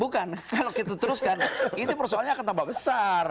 kalau gitu terus kan ini persoalannya akan tambah besar